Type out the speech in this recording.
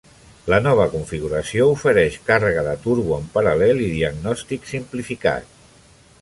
La nova configuració ofereix càrrega de turbo en paral·lel i diagnòstic simplificat.